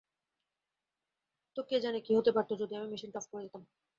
তো কে জানে কী হতে পারত যদি আমি মেশিনটা অফ করে দিতাম।